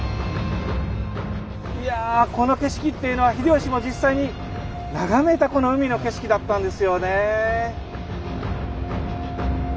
いやこの景色っていうのは秀吉も実際に眺めたこの海の景色だったんですよねえ。